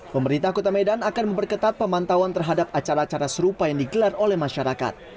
pemerintah kota medan akan memperketat pemantauan terhadap acara acara serupa yang digelar oleh masyarakat